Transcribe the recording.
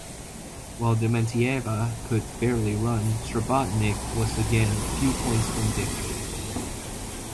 While Dementieva could barely run, Srebotnik was again few points from victory.